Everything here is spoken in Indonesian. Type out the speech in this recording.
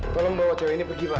tolong bawa cewek ini pergi pak